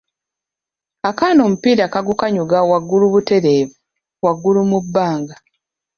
Akaana omupiira kagukanyuka waggulu butereevu waggulu mu bbanga.